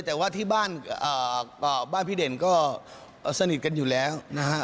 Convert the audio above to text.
แต่ว่าที่บ้านพี่เด่นก็สนิทกันอยู่แล้วนะฮะ